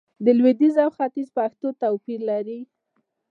د لويديځ او ختيځ پښتو توپير لري